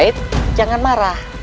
aib jangan marah